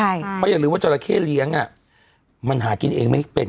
เพราะอย่าลืมว่าจราเข้เลี้ยงอ่ะมันหากินเองไม่เป็น